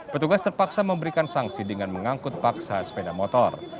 petugas terpaksa memberikan sanksi dengan mengangkut paksa sepeda motor